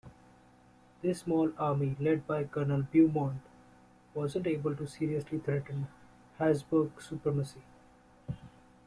This small army, led by colonel Beaumont, wasn't able to seriously threaten Habsburg supremacy.